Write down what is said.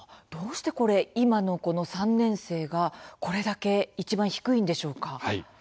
どうして今のこの３年生が、これだけいちばん低いんでしょうか？